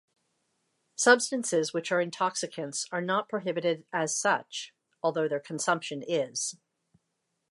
Substances which are intoxicants are not prohibited as such, although their consumption is.